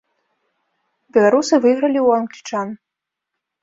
Беларусы выйгралі ў англічан.